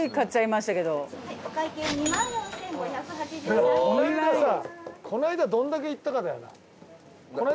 お会計この間どんだけいったかだよな。